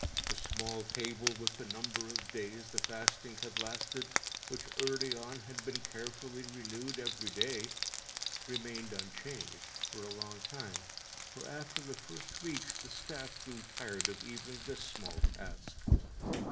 The small table with the number of days the fasting had lasted, which early on had been carefully renewed every day, remained unchanged for a long time, for after the first weeks the staff grew tired of even this small task.